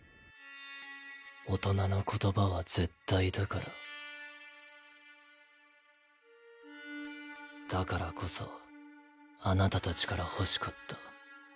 大人の言葉は絶対だからだからこそあなた達から欲しかった。